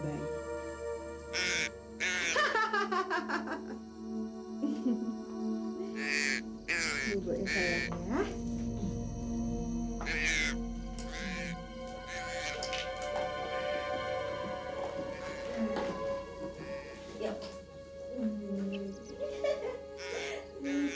dan saya akan menemukan bung